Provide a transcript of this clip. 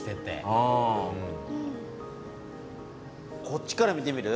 こっちから見てみる？